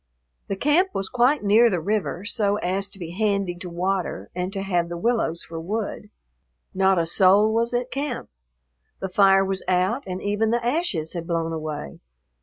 The camp was quite near the river so as to be handy to water and to have the willows for wood. Not a soul was at camp. The fire was out, and even the ashes had blown away.